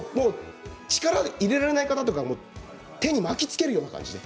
力を入れられない方は手に巻きつけるような感じで。